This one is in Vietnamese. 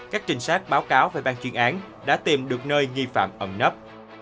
các trinh sát báo cáo về ban chuyên án đã tìm được nơi nghi phạm ẩm nấp